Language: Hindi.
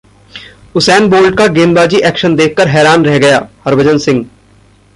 उसेन बोल्ट का गेंदबाजी एक्शन देखकर हैरान रह गयाः हरभजन सिंह